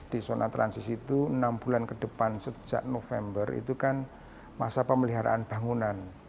di zona transisi itu enam bulan ke depan sejak november itu kan masa pemeliharaan bangunan